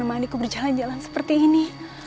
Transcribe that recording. dan menemani ku berjalan jalan seperti ini